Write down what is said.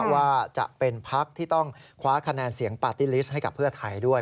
ว่าจะเป็นพักที่ต้องคว้าคะแนนเสียงปาร์ตี้ลิสต์ให้กับเพื่อไทยด้วย